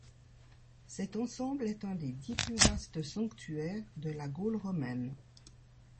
Cet ensemble est un des dix plus vastes sanctuaires de la Gaule romaine.